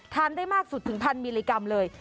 ทานได้มากสุดถึง๑๐๐๐มิลลิกรัมเลย